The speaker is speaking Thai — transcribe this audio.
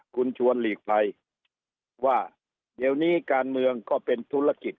คุณชวนหลีกภัยว่าเดี๋ยวนี้การเมืองก็เป็นธุรกิจ